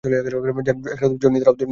Johnny, দাঁড়াও।